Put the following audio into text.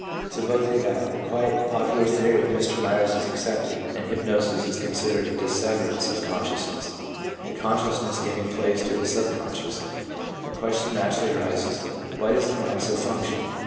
Supposing that the quite popular theory of Mr. Myers is accepted, and hypnosis is considered a disseverance of consciousness, the con sciousness giving place to the subconscious, the question naturally arises — Why does the mind so function?